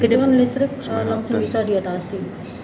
jadi kan listrik langsung bisa diotasi